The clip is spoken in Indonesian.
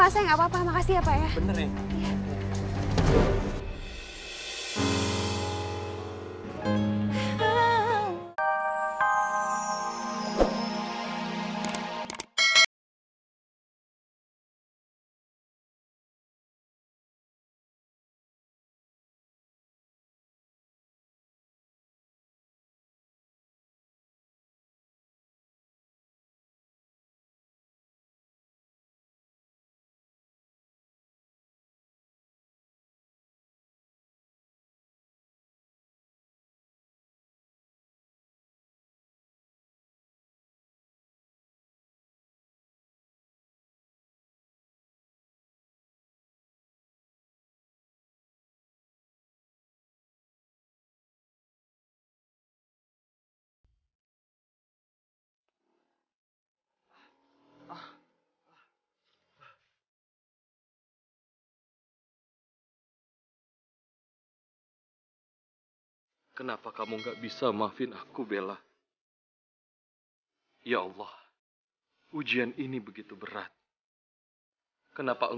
sampai jumpa di video selanjutnya